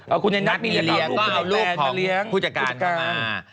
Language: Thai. เออคุณนักมีเรียก็เอาลูกของผู้จักรกันเขามา